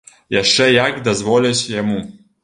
Яшчэ як дазволяць яму.